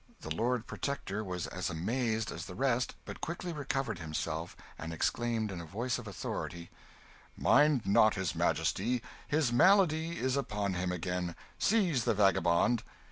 The Lord Protector was as amazed as the rest, but quickly recovered himself, and exclaimed in a voice of authority "Mind not his Majesty, his malady is upon him again seize the vagabond!"